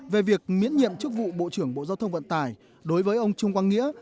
về việc miễn nhiệm chức vụ bộ trưởng bộ giao thông vận tải đối với ông trung quang nghĩa